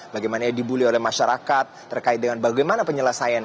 bagaimana dibully oleh masyarakat terkait dengan bagaimana penyelesaian